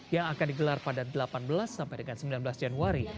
yang akan digelar pada delapan belas sampai dengan sembilan belas januari